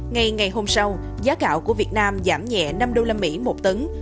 ngày ngày hôm sau giá gạo của việt nam giảm nhẹ năm đô la mỹ một tấn